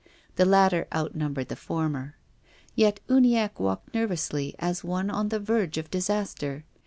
The latter outnumbered the former. Yet Uniacke walked ner\'ously as one on the verge of disaster.